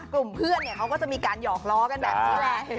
กลุ่มเพื่อนเขาก็จะมีการหยอกล้อกันแบบนี้แหละ